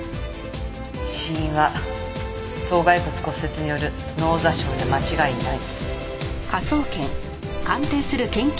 死因は頭骸骨骨折による脳挫傷で間違いない。